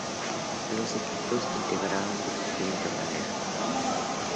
Los equipos integraron de la siguiente manera.